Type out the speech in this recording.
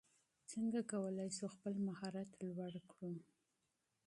څنګه کولای سو خپل مهارت لوړ کړو؟